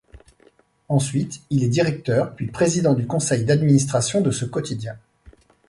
Ensuite, il est directeur puis président du Conseil d'administration de ce quotidien.